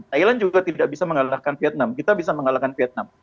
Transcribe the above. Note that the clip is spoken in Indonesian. thailand juga tidak bisa mengalahkan vietnam kita bisa mengalahkan vietnam